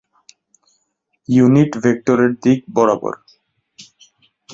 Unit vector এর দিক বরাবর।